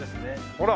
ほら！